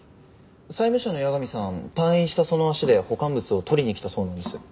債務者の矢上さん退院したその足で保管物を取りに来たそうなんです。